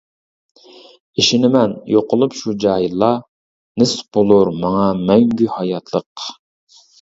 ئىشىنىمەن، يوقىلىپ شۇ جاھىللار، نېسىپ بولۇر ماڭا مەڭگۈ ھاياتلىق.